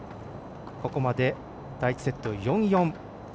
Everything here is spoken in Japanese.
ここまで第１セット４−４。